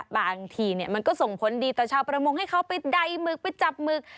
บางทีมันก็ส่งผลดีต่อชาวประมงให้เขาไปใดหมึกไปจับหมึก